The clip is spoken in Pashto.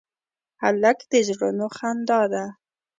هلک د زړونو خندا ده.